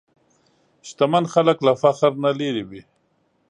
شتمن خلک له فخر نه لېرې وي.